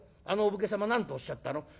あのお武家様なんとおっしゃったの？